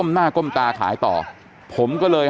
เฮ้ยเฮ้ยเฮ้ยเฮ้ยเฮ้ย